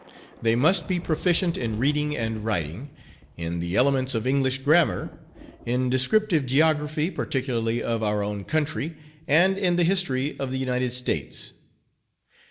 They must be proficient in Reading and Writing; in the elements of English Grammar; in Descriptive Geography, particularly of our own country, and in the History of the United States.